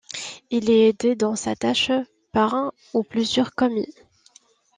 Il est aidé dans sa tâche par un ou plusieurs commis.